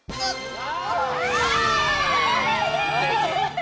あ！